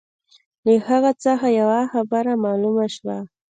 له هغه څخه یوه خبره معلومه شوه.